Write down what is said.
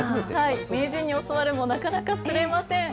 名人に教わるも、なかなか釣れません。